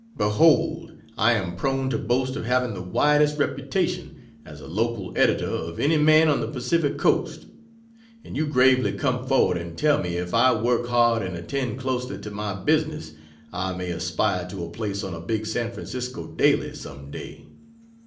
Behold, I am prone to boast of having the widest reputation, as a local editor, of any man on the Pacific coast, and you gravely come forward and tell me "if I work hard and attend closely to my business, I may aspire to a place on a big San Francisco daily, some day."